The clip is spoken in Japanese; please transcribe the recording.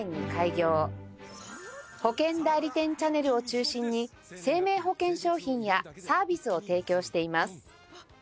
保険代理店チャネルを中心に生命保険商品やサービスを提供しています